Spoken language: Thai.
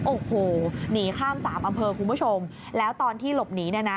โอ้โหหนีข้ามสามอำเภอคุณผู้ชมแล้วตอนที่หลบหนีเนี่ยนะ